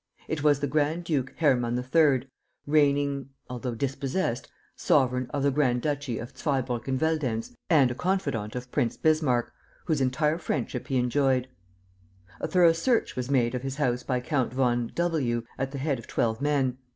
It was the Grand Duke Hermann III., reigning (although dispossessed) sovereign of the Grand duchy of Zweibrucken Veldenz and a confidant of Prince Bismarck, whose entire friendship he enjoyed. "A thorough search was made of his house by Count von W , at the head of twelve men.